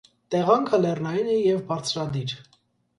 Տեղանքը լեռնային է և բարձրադիր։